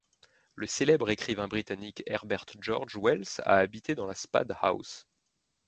Le célèbre écrivain britannique Herbert George Wells a habité dans la Spade House.